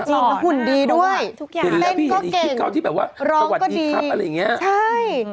จริงแล้วหุ่นดีด้วยเต้นก็เก่งร้องก็ดีครับอะไรอย่างนี้ใช่อืม